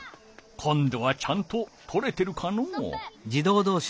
今度はちゃんととれてるかのう？